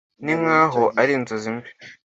ninkaho ari inzozi mbi